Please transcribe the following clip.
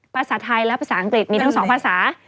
ภาษาไทยและภาษาอังกฤษมีทั้งสองภาษา